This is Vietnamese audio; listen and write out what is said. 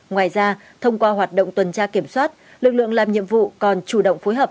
ngoài ra thông qua hoạt động tuần tra kiểm soát lực lượng làm nhiệm vụ còn chủ động phối hợp